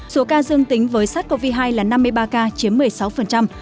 số ca dương tính với sars cov hai là năm mươi ba ca chiếm một mươi sáu